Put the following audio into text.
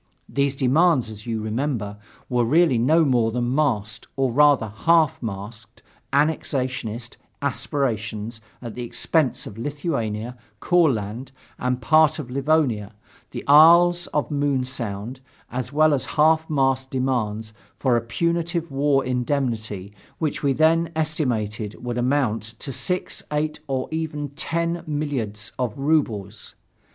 These demands, as you remember, were really no more than masked, or, rather, half masked annexationist aspirations at the expense of Lithuania, Courland, a part of Livonia, the Isles of Moon Sound, as well as a half masked demand for a punitive war indemnity which we then estimated would amount to six, eight or even ten milliards of rubles.